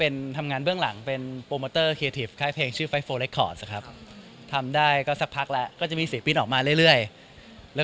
จริงงานไหล่งานผมก็ไปบ่อยแล้วนะครับถ้าแต่งนี้ก็คงง่ายมากเพราะรู้ทุกอย่างอยู่แล้ว